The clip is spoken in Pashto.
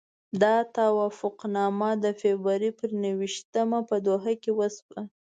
دا توافقنامه د فبروري پر نهه ویشتمه په دوحه کې وشوه.